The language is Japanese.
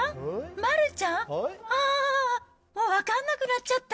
丸ちゃん？ああ、分かんなくなっちゃった。